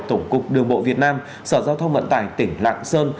tổng cục đường bộ việt nam sở giao thông vận tải tỉnh lạng sơn